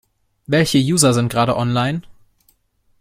Welche User sind gerade online?